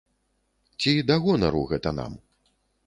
Ці да гонару гэта нам?